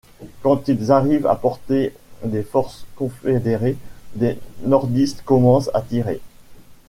Quand ils arrivent à portées des forces confédérés, les nordistes commencent à tirer.